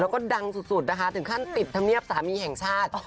แล้วก็ดังสุดนะคะถึงขั้นติดธรรมเนียบสามีแห่งชาติ